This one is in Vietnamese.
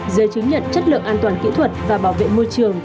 dây chứng nhận chất lượng an toàn kỹ thuật và bảo vệ môi trường